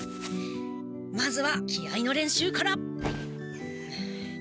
まずは気合いの練習から。